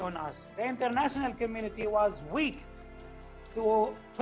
komunitas internasional itu lemah untuk menekan dan menekan israel